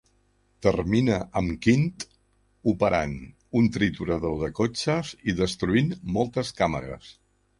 Termina amb Quint operant un triturador de cotxes i destruint moltes càmeres.